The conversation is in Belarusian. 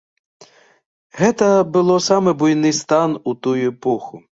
Гэта было самы буйны стан у тую эпоху.